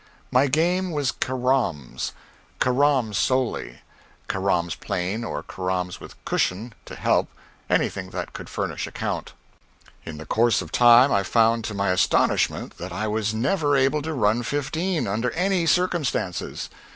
My game was caroms caroms solely caroms plain, or caroms with cushion to help anything that could furnish a count. In the course of time I found to my astonishment that I was never able to run fifteen, under any circumstances.